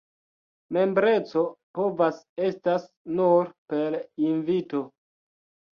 Membreco povas estas nur per invito.